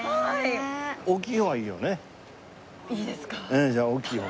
ええじゃあ大きい方。